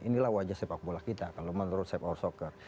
inilah wajah sepak bola kita kalau menurut seth orsoker